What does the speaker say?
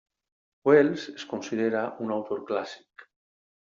Wells es considera un autor clàssic.